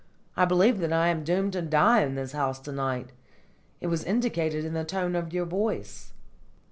I believe that I am doomed to die in this house to night! It was indicated in the tone of your voice."